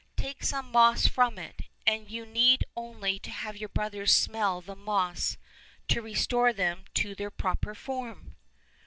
Take some moss from it, and you need only have your brothers smell the moss to restore them to their proper form."